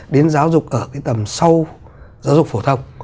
đến giáo dục ở cái tầm sâu giáo dục phổ thông